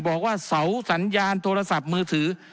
บอกว่าเสาสัญญาณโทรศัพท์มือถือ